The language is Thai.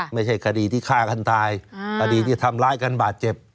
ไม่ใช่คดีที่ฆ่ากันตายคดีที่ทำร้ายกันบาดเจ็บ